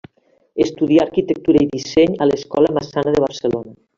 Estudià arquitectura i disseny a l'Escola Massana de Barcelona.